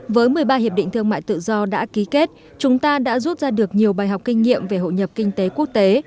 với một mươi ba hiệp định thương mại tự do đã ký kết chúng ta đã rút ra được nhiều bài học kinh nghiệm về hội nhập kinh tế quốc tế